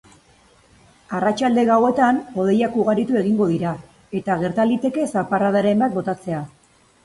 Arratsalde gauetan hodeiak ugaritu egingo dira eta gerta liteke zaparradaren bat botatzea.